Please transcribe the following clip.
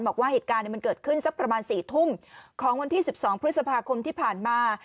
บอกว่าเหตุการณ์มันเกิดขึ้นสักประมาณ๔ทุ่มของวันที่๑๒พฤษภาคมที่ผ่านมา